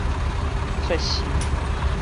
慼心